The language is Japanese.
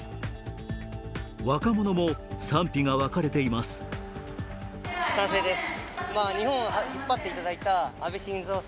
若者も賛否が分かれています。